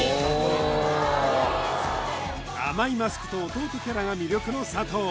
お甘いマスクと弟キャラが魅力の佐藤